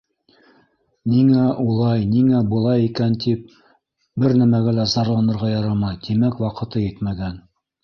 Ниңә улай, ниңә былай икән, тип, бер нәмәгә лә зарланырға ярамай, тимәк, ваҡыты етмәгән.